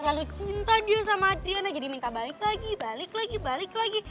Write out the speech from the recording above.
lalu cinta dia sama adriana jadi minta balik lagi balik lagi balik lagi